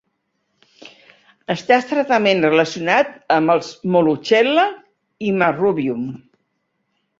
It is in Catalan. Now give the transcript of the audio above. Està estretament relacionat amb els "Moluccella" i "Marrubium".